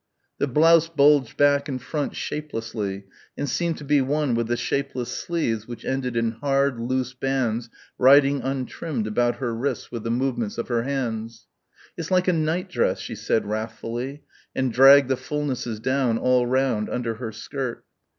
The blouse bulged back and front shapelessly and seemed to be one with the shapeless sleeves which ended in hard loose bands riding untrimmed about her wrists with the movements of her hands.... "It's like a nightdress," she said wrathfully and dragged the fulnesses down all round under her skirt.